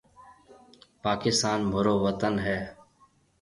پاڪستان مهورو وطن هيَ۔